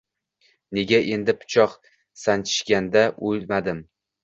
Nega endi pichoq sanchishganda o‘lmadim?